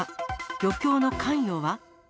漁協の関与は？